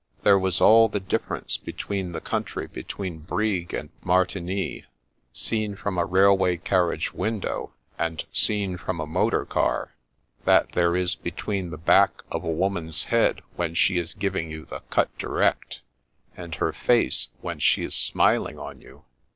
There was all the difference between the country between Brig and Martigny seen from a railway carriage window, and seen from a motor car, that there is between the back of a woman's head when she is giving you the cut direct, and her face when she is smiling on you.